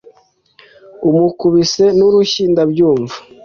Umukubise nurushyi ndabyumva